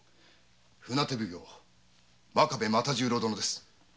船手奉行真壁又十郎殿です。